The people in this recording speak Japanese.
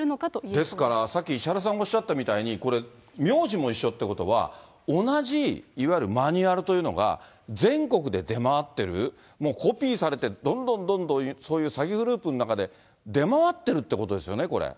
ですから、さっき石原さんおっしゃったみたいに、みょうじも一緒ということは、同じいわゆるマニュアルというのが、全国で出回っている、もうコピーされて、どんどんどんどんそういう詐欺グループの中で出回ってるってことですよね、これ。